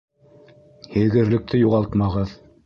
Һиҙгерлекте юғалтмағыҙ.